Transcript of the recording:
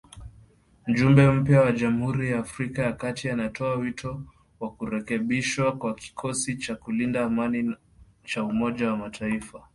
Mjumbe mpya wa Jamhuri ya Afrika ya Kati anatoa wito wa kurekebishwa kwa kikosi cha kulinda amani cha Umoja wa Mataifa